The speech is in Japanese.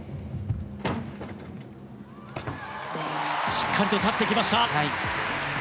しっかりと立ってきました。